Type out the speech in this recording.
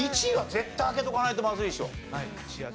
１位は絶対開けとかないとまずいでしょ。